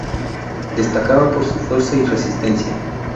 Destacaba por su fuerza y resistencia.